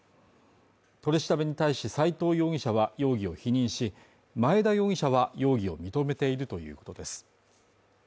取り調べに対し斉藤容疑者は容疑を否認し、前田容疑者は容疑を認めているということです